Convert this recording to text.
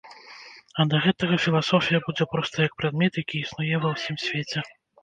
А да гэтага філасофія будзе проста як прадмет, які існуе ва ўсім свеце.